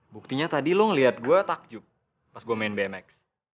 buktinya tadi lo ngelihat gue takjub pas gue main bmx